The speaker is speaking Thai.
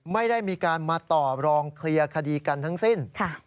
ไม่ได้มีการมาต่อรองเคลียร์คดีกันทั้งสิ้น